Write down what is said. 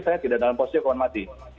saya tidak dalam posisi hukuman mati